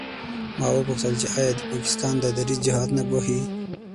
ما وپوښتل چې آیا د پاکستان دا دریځ جهاد نه ګواښي.